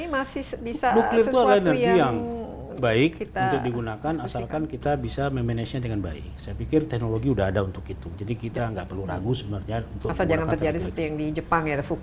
masa jangan terjadi seperti yang di jepang ya fukushima itu misalnya kalau ada